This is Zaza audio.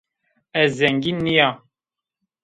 Ez zengîn nîya